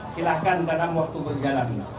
silahkan dalam waktu berjalan